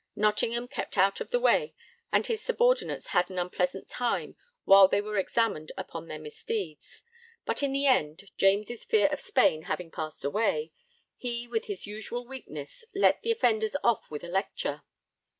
Nottingham kept out of the way, and his subordinates had an unpleasant time while they were examined upon their misdeeds; but in the end, James' fear of Spain having passed away, he, with his usual weakness, let the offenders off with a lecture.